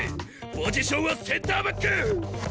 ポジションはセンターバック！